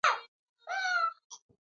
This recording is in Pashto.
پوهه د بریا یوازینۍ لار ده.